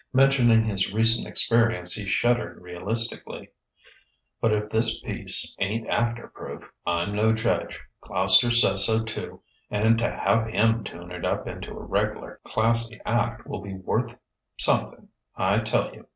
Mentioning his recent experience, he shuddered realistically. "But if this piece ain't actor proof, I'm no judge. Gloucester says so, too. And to have him tune it up into a reg'lar classy act will be worth ... something, I tell you!"